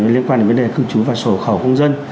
liên quan đến vấn đề cư trú và số hộ khẩu công dân